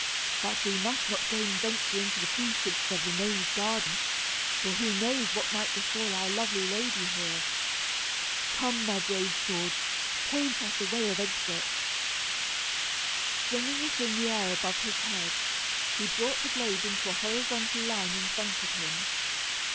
"But we must not again venture into the precincts of the gnome's garden, for who knows what might befall our lovely lady here? Come, my brave sword, point us a way of exit." Swinging it in the air above his head, he brought the blade into a horizontal line in front of him.